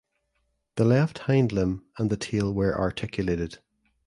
The left hindlimb and the tail were articulated.